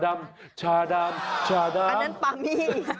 อันนั้นปามี่